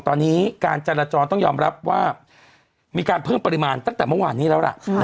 ตอนนี้การจราจรต้องยอมรับว่ามีการเพิ่มปริมาณตั้งแต่เมื่อวานนี้แล้วล่ะ